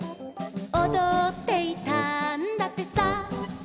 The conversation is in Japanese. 「おどっていたんだってさ」